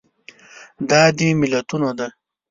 دا د ملتونو ده.